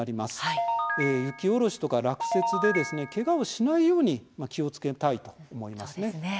雪下ろしとか落雪でけがをしないように気をつけたいと思いますね。